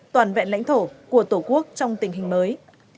toàn vẹn lãnh thổ của tổ quốc trong tình hình mới